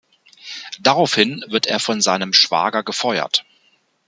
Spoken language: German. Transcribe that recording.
Daraufhin wird er von seinem Schwager gefeuert.